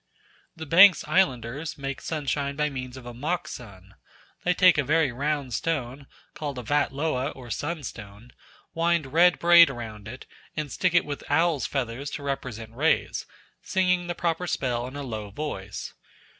The Banks Islanders make sunshine by means of a mock sun. They take a very round stone, called a vat loa or sunstone, wind red braid about it, and stick it with owls' feathers to represent rays, singing the proper spell in a low voice.